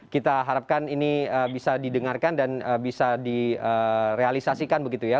kita harapkan ini bisa didengarkan dan bisa direalisasikan begitu ya